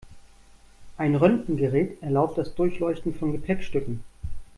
Ein Röntgengerät erlaubt das Durchleuchten von Gepäckstücken.